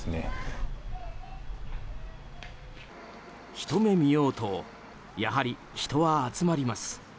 ひと目見ようとやはり人は集まります。